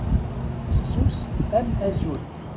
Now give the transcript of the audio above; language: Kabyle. Fessus am azul.